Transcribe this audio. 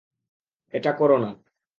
এটা করো না!